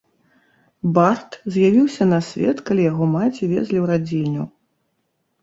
Бард з'явіўся на свет, калі яго маці везлі ў радзільню.